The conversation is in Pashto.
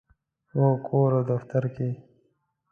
هو، کور او دفتر کې